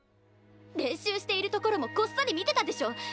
練習しているところもこっそり見てたでしょ。